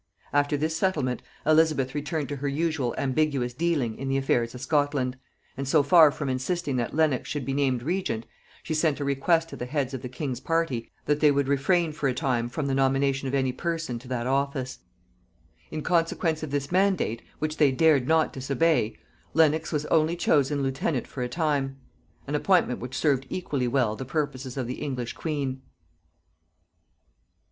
After this settlement, Elizabeth returned to her usual ambiguous dealing in the affairs of Scotland; and so far from insisting that Lenox should be named regent, she sent a request to the heads of the king's party that they would refrain for a time from the nomination of any person to that office. In consequence of this mandate, which they dared not disobey, Lenox was only chosen lieutenant for a time; an appointment which served equally well the purposes of the English queen.